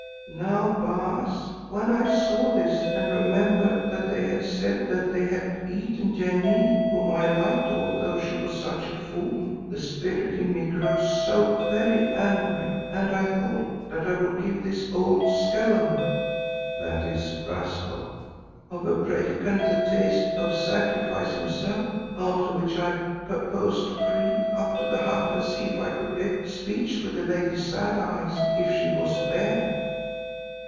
"Now, Baas, when I saw this and remembered that they had said that they had eaten Janee whom I liked although she was such a fool, the spirit in me grew so very angry and I thought that I would give this old skellum (i.e. rascal) of a Predikant a taste of sacrifice himself, after which I purposed to creep to the hut and see if I could get speech with the Lady Sad Eyes, if she was there.